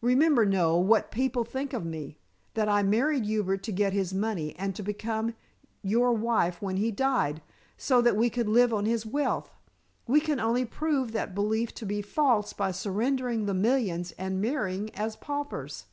Remember, Noel, what people think of me: that I married Hubert to get his money and to become your wife when he died, so that we could live on his wealth. We can only prove that belief to be false by surrendering the millions and marrying as paupers."